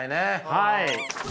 はい。